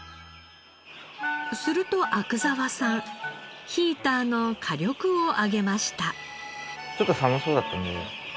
すると阿久澤さんヒーターの火力を上げました。